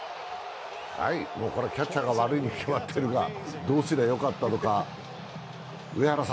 はい、これはキャッチャーが悪いに決まってるが、どうすりゃよかったのか。